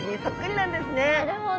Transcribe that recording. なるほど。